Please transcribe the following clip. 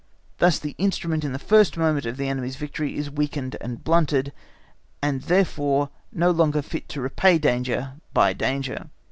Thus the instrument in the first moment of the enemy's victory is weakened and blunted, and therefore no longer fit to repay danger by danger.